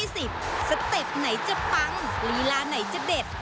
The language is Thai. สเต็ปไหนจะปังลีลาไหนจะเด็ด